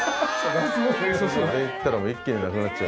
これいったら一気になくなっちゃう。